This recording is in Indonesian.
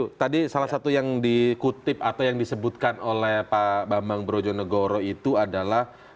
oke tadi salah satu yang dikutip atau yang disebutkan oleh pak bambang brojonegoro itu adalah